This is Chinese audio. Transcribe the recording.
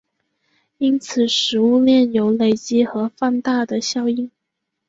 因此食物链有累积和放大的效应。